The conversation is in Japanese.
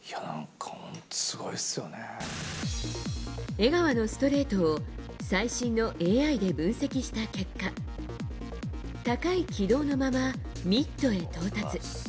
江川のストレートを最新のＡＩで分析した結果高い軌道のままミットへ到達。